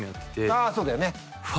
あそうだよね。